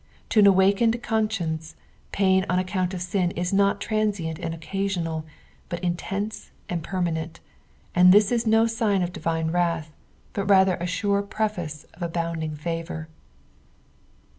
To nn awakeucd couscience, pain on account of sin is not transient and occiisional, but intense and permanent, and this is no sign of divine wrath, but rather a aure preface of abounding favour.